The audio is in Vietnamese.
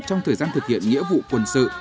trong thời gian thực hiện nhiệm vụ quân sự